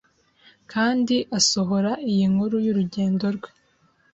kandi asohora iyi nkuru y'urugendo rwe.